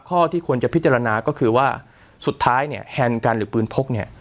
ข้อที่ควรจะพิจารณาก็คือว่าสุดท้ายเนี่ยแฮนด์กันหรือปืนพกเนี่ย